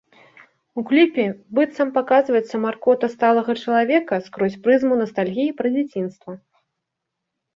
У кліпе быццам паказваецца маркота сталага чалавека, скрозь прызму настальгіі пра дзяцінства.